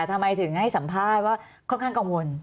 ทำไมถึงให้สัมภาษณ์ว่าค่อนข้างกังวล